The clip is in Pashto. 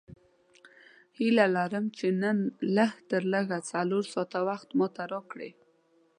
هیله لرم چې نن لږ تر لږه څلور ساعته وخت ماته راکړې.